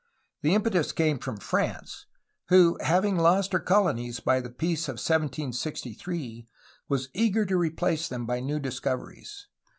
The impetus came from France, who having lost her colonies by the peace of 1763 was eager to replace them by new discoveries.